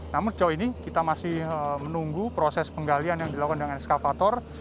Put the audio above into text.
namun sejauh ini kita masih menunggu proses penggalian yang dilakukan dengan eskavator